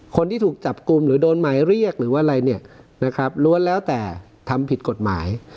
คนที่ถูกจับกลุ่มหรือโดนหมายเรียกหรือว่าอะไรเนี่ยนะครับล้วนแล้วแต่ทำผิดกฎหมาย